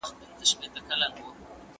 واجب طلاق هغه دی.